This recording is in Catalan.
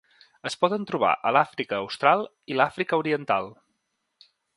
Es poden trobar a l'Àfrica austral i l'Àfrica oriental.